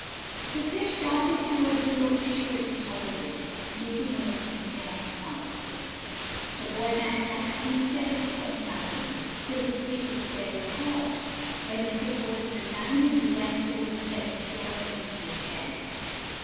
The fish darted toward the old shoe and swallowed it, making of it a mere mouthful. The boy man laughed to himself but said nothing, till the fish was fairly caught; when he took hold of the line and began to pull himself ashore in his fish carriage.